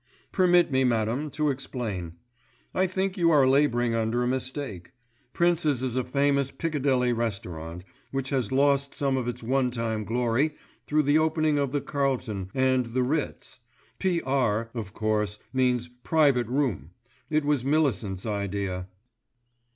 "Permit me, madam, to explain. I think you are labouring under a mistake. Princes is a famous Piccadilly Restaurant, which has lost some of its one time glory through the opening of the Carlton and the Ritz. 'P.R.' of course means Private Room. It was Millicent's idea."